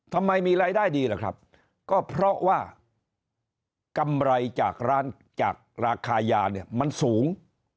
ทำไมมีรายได้ดีล่ะครับก็เพราะว่ากำไรจากร้านจากราคายาเนี่ยมันสูง